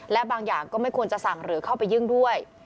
และบางอย่างก็ไม่ควรจะสั่งหรือเข้าไปยุ่งด้วย